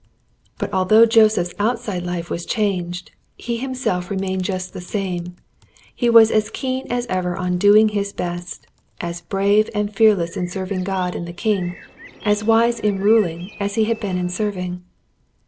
But although Joseph's outside life was changed, he himself remained just the same. He was as keen as ever on doing his best, as brave and fearless in serving God and the king, as wise in ruling as he had been in serving.